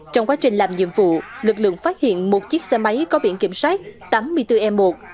trong quá trình làm nhiệm vụ lực lượng phát hiện một chiếc xe máy có biển kiểm soát tám mươi bốn e một ba trăm hai mươi bốn năm mươi sáu